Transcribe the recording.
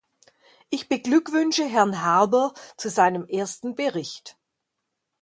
Ich beglückwünsche Herrn Harbour zu seinem ersten Bericht.